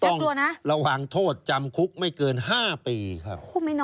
ต้องระหว่างโทษจำคุกไม่เกิน๕ปีค่ะ